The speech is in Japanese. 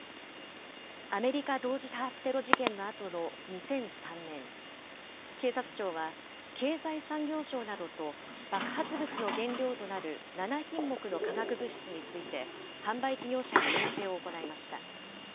アメリカ同時多発テロ事件のあとの２００３年、警察庁は、経済産業省などと爆発物の原料となる７品目の化学物質について、販売事業者に要請を行いました。